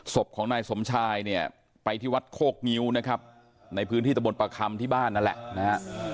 ศพของนายสมชายเนี่ยไปที่วัดโคกงิ้วนะครับในพื้นที่ตะบนประคำที่บ้านนั่นแหละนะฮะ